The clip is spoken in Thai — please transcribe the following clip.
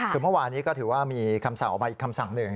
คือเมื่อวานี้ก็ถือว่ามีคำสั่งออกมาอีกคำสั่งหนึ่ง